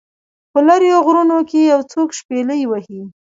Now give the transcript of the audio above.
په لیرو غرونو کې یو څوک شپیلۍ وهي